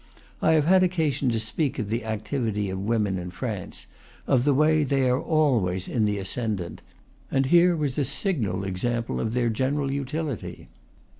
I have had occasion to speak of the activity of women in France, of the way they are always in the ascendant; and here was a signal example of their general utility.